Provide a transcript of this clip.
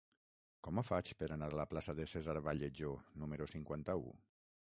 Com ho faig per anar a la plaça de César Vallejo número cinquanta-u?